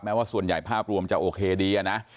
ว่าส่วนใหญ่ภาพรวมจะโอเคดีนะ